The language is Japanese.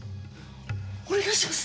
お願いします！